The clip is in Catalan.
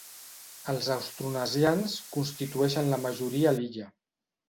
Els austronesians constitueixen la majoria a l'illa.